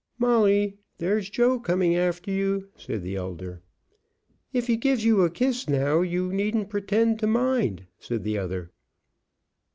"Molly, there's Joe coming after you," said the elder. "If he gives you a kiss now you needn't pretend to mind," said the other.